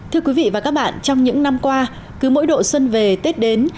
thưa quý vị và các bạn trong những năm qua cứ mỗi độ xuân về tết đến